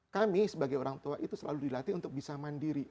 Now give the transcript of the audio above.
kami sebagai orang tua itu selalu dilatih untuk bisa mandiri